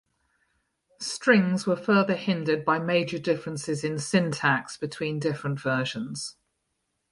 Strings were further hindered by major differences in syntax between different versions.